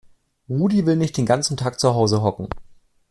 Rudi will nicht den ganzen Tag zu Hause hocken.